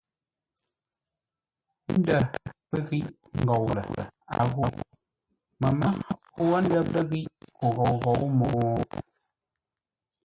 Ndə̂ pə́ ghíʼ ngôu lə̂, a ghô məmə́ o wə́ ndə̂ pə́ ghíʼ o ghôu ghǒu mo?